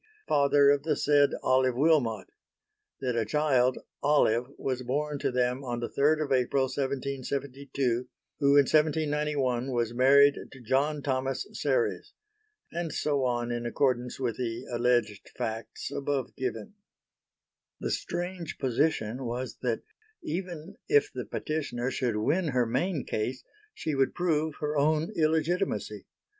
father of the said Olive Wilmot. That a child, Olive, was born to them on 3 April 1772, who in 1791 was married to John Thomas Serres. And so on in accordance with the (alleged) facts above given. The strange position was that even if the petitioner should win her main case she would prove her own illegitimacy.